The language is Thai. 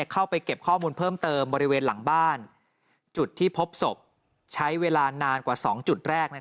เข้าไปเก็บข้อมูลเพิ่มเติมบริเวณหลังบ้านจุดที่พบศพใช้เวลานานกว่า๒จุดแรก